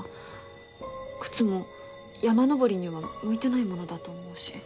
靴も山登りには向いてないものだと思うし。